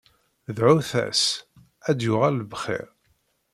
Dɛut-as ad d-yuɣal bxir.